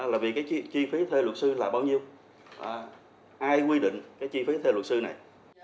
là vì cái chi phí thuê luật sư là bao nhiêu ai quy định cái chi phí thuê luật sư này